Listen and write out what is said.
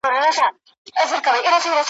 د آس لغته آس زغمي ,